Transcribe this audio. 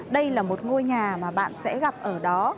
đây là một ngôi nhà mà bạn sẽ gặp ở đó